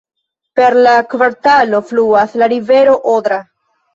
Per la kvartalo fluas la rivero Odra.